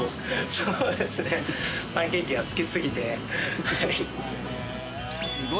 そうですね、パンケーキが好きすぎて。